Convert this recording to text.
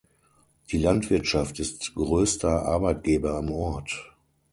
Die Landwirtschaft ist größter Arbeitgeber im Ort.